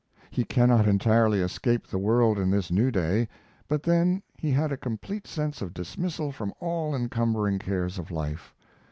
He cannot entirely escape the world in this new day; but then he had a complete sense of dismissal from all encumbering cares of life.